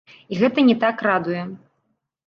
І гэта не так радуе.